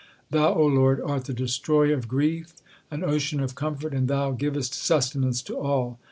Thou, O Lord, art the Destroyer of grief, an Ocean of com fort, and Thou givest sustenance to all.